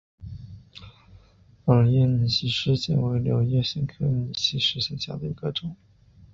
仰叶拟细湿藓为柳叶藓科拟细湿藓下的一个种。